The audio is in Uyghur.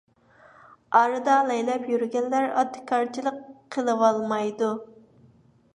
ئارىدا لەيلەپ يۈرگەنلەر ئاتىكارچىلىق قىلىۋالمايدۇ.